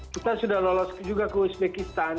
kita sudah lolos juga ke uzbekistan